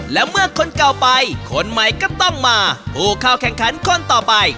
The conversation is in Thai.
และเมื่อคนเก่าไปคนใหม่ก็ต้องมาผู้เข้าแข่งขันคนต่อไป